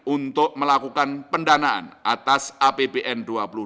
untuk melakukan pendanaan atas apbn dua puluh dua